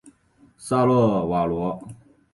沙勒罗瓦。